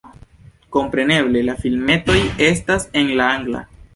Kompreneble la filmetoj estas en la angla.